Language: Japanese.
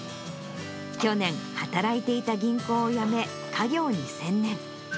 去年、働いていた銀行を辞め、家業に専念。